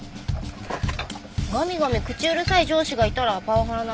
ガミガミ口うるさい上司がいたらパワハラなの？